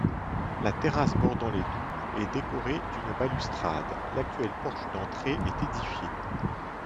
La terrasse bordant les douves est décorée d'une balustrade, l'actuel porche d'entrée est édifié.